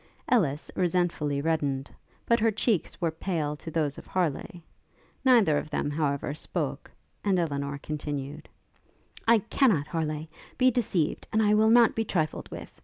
Ellis resentfully reddened; but her cheeks were pale to those of Harleigh. Neither of them, however, spoke; and Elinor continued. 'I cannot, Harleigh, be deceived, and I will not be trifled with.